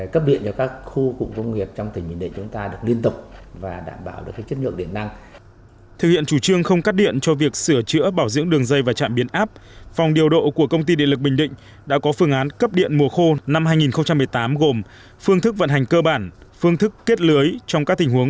cấp điện cho các khu cục công nghiệp trong tỉnh bình định chúng ta được điện